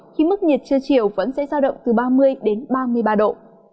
khi mức nhiệt chưa chiều vẫn sẽ sao động từ ba mươi đến ba mươi ba độ